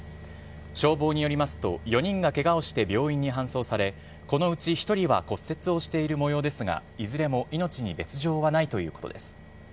消防によりますと、４人がけがをして病院に搬送され、このうち１人は骨折をしているもようですが、いずれも命に別状はないということです。